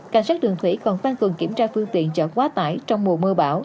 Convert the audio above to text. cảnh sát đường thủy còn tăng cường kiểm tra phương tiện chở quá tải trong mùa mưa bão